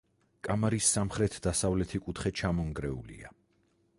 კამარის სამხრეთ-დასავლეთი კუთხე ჩამონგრეულია.